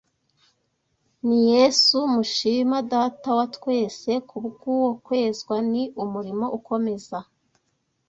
mi Yesu, mushima Data wa twese ku bw’uwo Kwezwa ni umurimo ukomeza